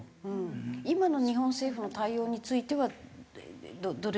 今の日本政府の対応についてはどれぐらい。